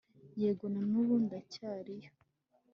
yego, na nubu ndacyariyo